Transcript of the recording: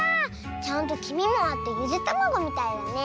ちゃんときみもあってゆでたまごみたいだね。